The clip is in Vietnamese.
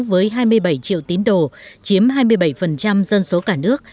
với hai mươi bảy triệu tín đồ chiếm hai mươi bảy dân số cả nước